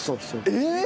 えっ？